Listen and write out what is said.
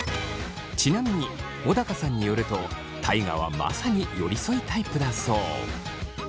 ちなみに小高さんによると大我はまさに寄り添いタイプだそう。